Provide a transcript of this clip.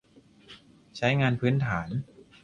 ใช้งานพื้นฐาน